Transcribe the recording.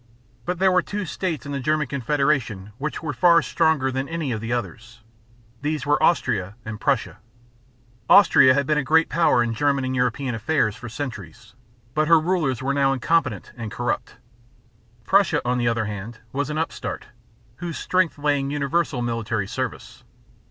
But there were two states in the German Confederation which were far stronger than any of the others; these were Austria and Prussia. Austria had been a great power in German and European affairs for centuries; but her rulers were now incompetent and corrupt. Prussia, on the other hand, was an upstart, whose strength lay in universal military service.